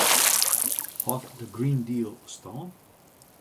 Hâldt de Green Deal stân?